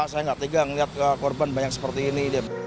saya nggak tegang lihat korban banyak seperti ini